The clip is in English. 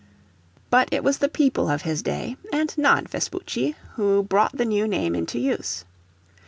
But it was the people of his day, and not Vespucci, who brought the new name into use.